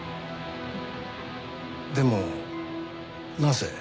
でもなぜ？